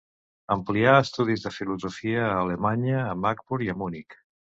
Amplià estudis de filosofia a Alemanya, a Marburg i a Munic.